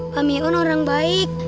pak miun orang baik